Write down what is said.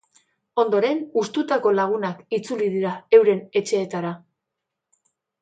Ondoren, hustutako lagunak itzuli dira euren etxeetara.